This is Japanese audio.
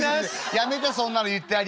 「やめてそんなの言ってあげるの」。